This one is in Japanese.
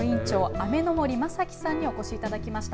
雨森正記さんにお越しいただきました。